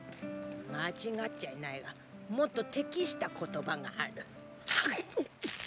間違っちゃいないがもっと適した言葉がある。